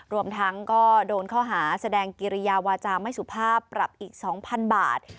รวมทั้งก็โดนข้อหาแสดงกิริยาวาจาไม่สุภาพปรับอีก๒๐๐๐บาท